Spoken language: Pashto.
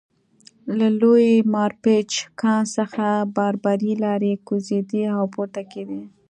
له لوی مارپیچ کان څخه باربري لارۍ کوزېدې او پورته کېدې